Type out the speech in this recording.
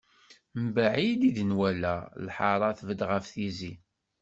Mebɛid ay d-nwala, lḥara tbedd ɣef tizi.